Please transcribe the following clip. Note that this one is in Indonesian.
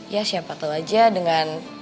ya siapa tahu aja dengan